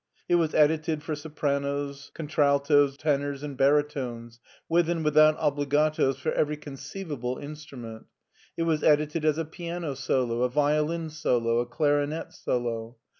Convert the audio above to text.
It was edited for sopranos, contraltos, tenors, and baritones, with and without obligatos for every con ceivable instrument. It was edited as a piano solo, a violin solo, a clarinet solo.